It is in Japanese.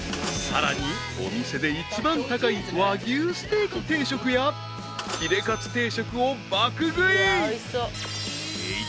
［さらにお店で１番高い和牛ステーキ定食やヒレかつ定食を爆食い］